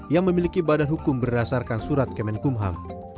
yang memiliki badan hukum berdasarkan surat kemenkumham